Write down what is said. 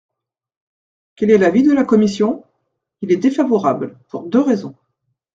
Quel est l’avis de la commission ? Il est défavorable, pour deux raisons.